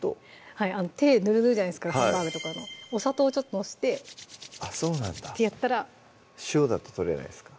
はい手ヌルヌルじゃないですかハンバーグとかお砂糖ちょっとのせてあっそうなんだってやったら塩だと取れないんですか？